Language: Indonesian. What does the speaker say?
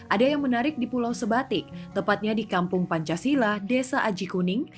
ada yang menarik di pulau sebatik tepatnya di kampung pancasila desa aji kuning